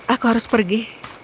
aku harus pergi